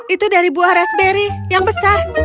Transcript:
itu dari buah raspberry yang besar